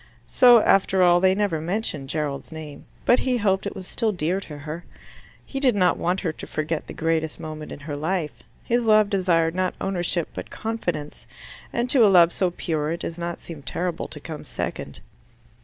So after all they never mentioned Gerald's name. But he hoped it was still dear to her. He did not want her to forget the greatest moment in her life. His love desired not ownership but confidence, and to a love so pure it does not seem terrible to come second.